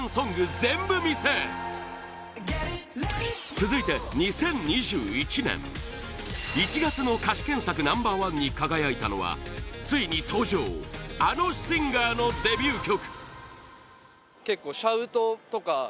続いて２０２１年１月の歌詞検索Ｎｏ．１に輝いたのはついに登場あのシンガーのデビュー曲！